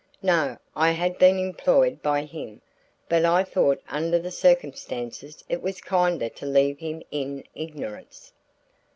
"No, I had been employed by him, but I thought under the circumstances it was kinder to leave him in ignorance."